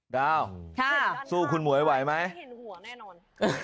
ดาวน์สู้คุณหมวยไหวไหมดาวน์สู้คุณหมวยไม่เห็นหัวแน่นอน